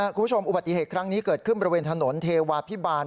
อุบัติเหตุครั้งนี้เกิดขึ้นบริเวณถนนเทวาพิบาล